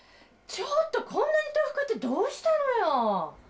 ちょっとこんなに豆腐買ってどうしたのよ？